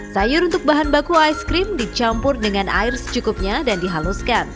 sayur untuk bahan baku ice cream dicampur dengan air secukupnya dan dihaluskan